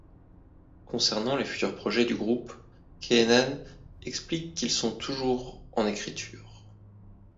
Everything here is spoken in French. Concernant les futurs projets du groupe, Keenan explique qu'ils sont toujours en écriture.